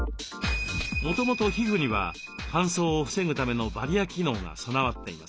もともと皮膚には乾燥を防ぐためのバリア機能が備わっています。